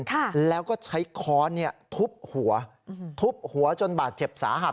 ค่ะแล้วก็ใช้ค้อนเนี้ยทุบหัวอืมทุบหัวจนบาดเจ็บสาหัส